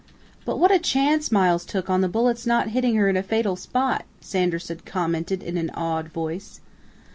"But what a chance Miles took on the bullet's not hitting her in a fatal spot!" Sanderson commented in an awed voice.